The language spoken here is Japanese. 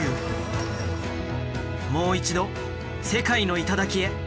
もう一度世界の頂へ。